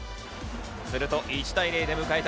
すると１対０で迎えた